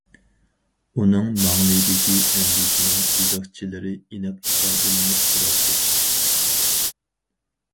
ئۇنىڭ ماڭلىيىدىكى ئەندىشىنىڭ سىزىقچىلىرى ئېنىق ئىپادىلىنىپ تۇراتتى.